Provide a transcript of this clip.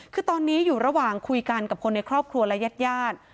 คือตอนนี้อยู่ระหว่างคุยกันกับคนในครอบครัวและญาติญาติ